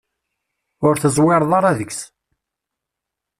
Ur teẓwireḍ ara deg-s.